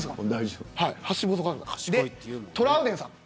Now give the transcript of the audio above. トラウデンさん